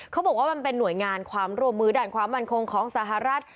เขาบอกว่ามันเป็นหน่วยงานความร่วมมือด้านความมั่นคงของสหรัฐ